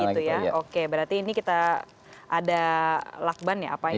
pertolongan pertamanya begitu ya oke berarti ini kita ada lakban ya apa ini